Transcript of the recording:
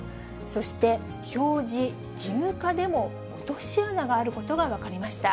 そして、表示義務化でも落とし穴があることが分かりました。